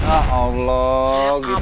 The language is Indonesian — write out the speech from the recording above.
ah allah gitu aja